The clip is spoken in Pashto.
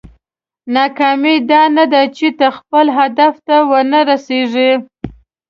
ناکامي دا نه ده چې ته خپل هدف ته ونه رسېږې.